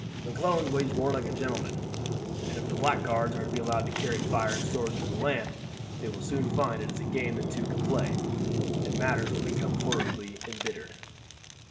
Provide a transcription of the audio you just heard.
"McClellan waged war like a gentleman; and if blackguards are to be allowed to carry fire and sword through the land they will soon find it is a game that two can play at, and matters will become horribly embittered."